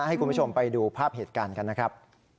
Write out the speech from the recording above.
ให้คุณผู้ชมไปดูภาพเหตุการณ์กันนะครับ